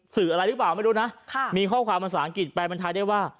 สื่ออะไรหรือเปล่าไม่รู้นะมีข้อความภาษาอังกฤษแปลบรรทายได้ว่า